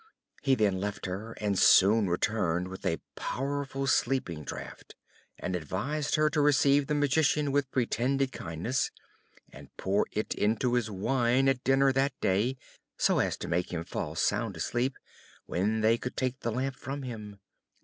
He then left her, but soon returned with a powerful sleeping draught, and advised her to receive the Magician with pretended kindness, and pour it into his wine at dinner that day, so as to make him fall sound asleep, when they could take the Lamp from him.